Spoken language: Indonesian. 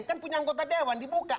kan punya anggota dewan dibuka